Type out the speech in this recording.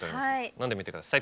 飲んでみてください。